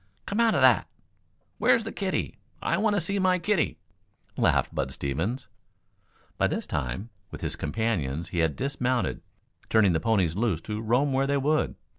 "Come out of that. Where's the kiddie? I want to see my kiddie!" laughed Bud Stevens. By this time, with his companions, he had dismounted, turning the ponies loose to roam where they would.